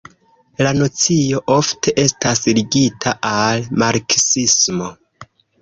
La nocio ofte estas ligita al marksismo.